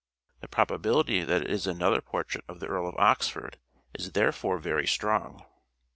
The probability that it is another portrait of the Earl of Oxford is therefore very strong.